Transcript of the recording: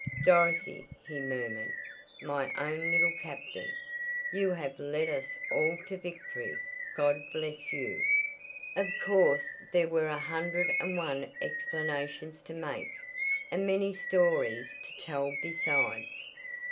"Dorothy," he murmured. "My own Little Captain! You have led us all to victory! God bless you!" Of course there were a hundred and one explanations to make, and many stories to tell besides.